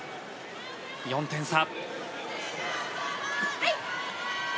４点差。